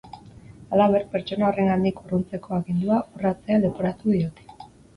Halaber, pertsona horrengandik urruntzeko agindua urratzea leporatu diote.